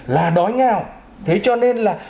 là đói ngào thế cho nên là